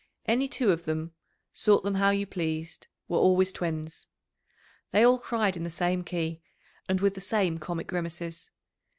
Any two of them, sort them how you pleased, were always twins. They all cried in the same key and with the same comic grimaces.